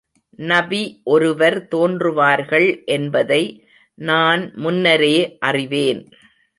நபி ஒருவர் தோன்றுவார்கள் என்பதை நான் முன்னரே அறிவேன்.